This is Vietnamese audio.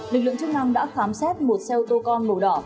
lực lượng chức năng đã khám xét một xe ô tô con màu đỏ